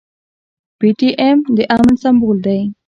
پي ټي ايم د امن سمبول دی.